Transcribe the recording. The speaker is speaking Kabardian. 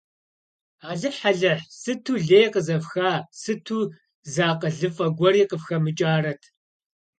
Алыхь-Алыхь, сыту лей къызэфха, сыту зы акъылыфӀэ гуэри къыфхэмыкӀарэт.